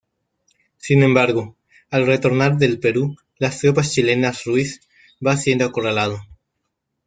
Sin embargo, al retornar del Perú las tropas chilenas Ruiz va siendo acorralado.